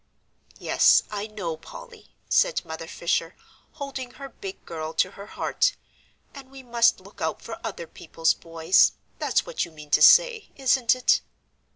"Yes, I know, Polly," said Mother Fisher, holding her big girl to her heart, "and we must look out for other people's boys; that's what you mean to say, isn't it?"